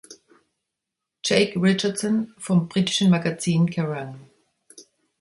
Jake Richardson vom britischen Magazin Kerrang!